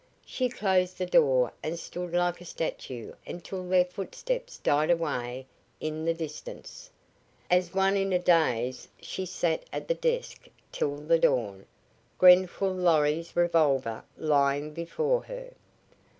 She closed the door and stood like a statue until their footsteps died away in the distance. As one in a daze she sat at the desk till the dawn, Grenfall Lorry's revolver lying before her.